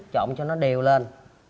trộn cho nó đều lên